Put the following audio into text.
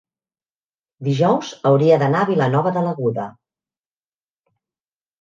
dijous hauria d'anar a Vilanova de l'Aguda.